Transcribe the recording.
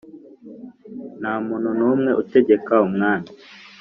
Ntamunu numwe utegeka umwami